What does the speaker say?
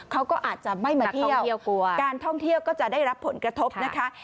เขาก็อาจจะไม่มาเที่ยวกลัวการท่องเที่ยวก็จะได้รับผลกระทบนะคะ